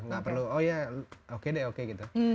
nggak perlu oh ya oke deh oke gitu